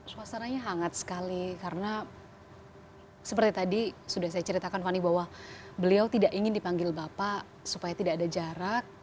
suasananya hangat sekali karena seperti tadi sudah saya ceritakan fani bahwa beliau tidak ingin dipanggil bapak supaya tidak ada jarak